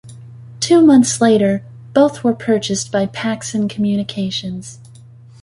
Two months later, both were purchased by Paxson Communications.